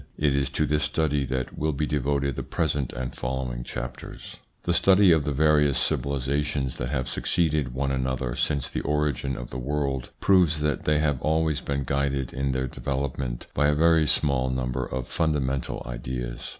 It is to this study that will be devoted the present and following chapters. The study of the various civilisations that have succeeded one another since the origin of the world proves that they have always been guided in their development by a very small number of fundamental ideas.